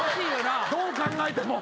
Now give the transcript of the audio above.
どう考えても。